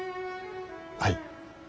はい。